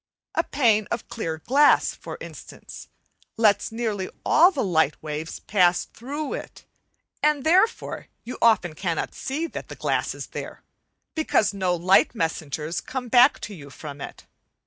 A pane of clear glass, for instance, lets nearly all the light waves pass through it, and therefore you often cannot see that the glass is there, because no light messengers come back to you from it.